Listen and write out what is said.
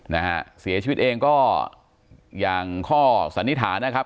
นะฮะเสียชีวิตเองก็อย่างข้อสันนิษฐานนะครับ